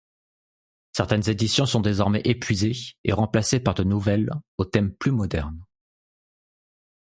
Certaines éditions sont désormais épuisées et remplacées par de nouvelles aux thèmes plus modernes.